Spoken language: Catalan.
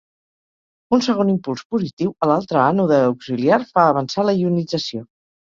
Un segon impuls positiu a l'altre ànode auxiliar fa avançar la ionització.